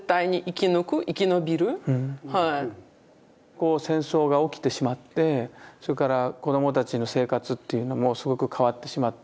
こう戦争が起きてしまってそれから子どもたちの生活というのもすごく変わってしまったと思うんですね。